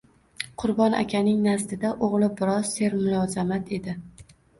Qurbon akaning nazdida o‘g‘li biroz sermulozamat edi